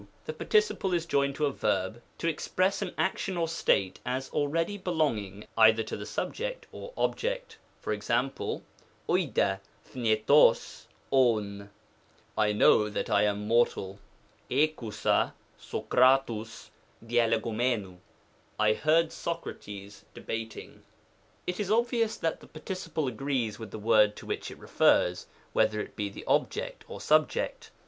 The participle is joined to a verb to express an action or state as already belonging either to the sub ject or object. Ex.^ old a S rnrog covy " I know that I am mortal ;" iixovoa JEoxQcivovg SiaXayofisvoVy " I heard Socrates debating." It is obvious that the par ticiple agrees with the word to which it refers — whether it be the object or subject.